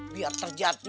biar terjadi persis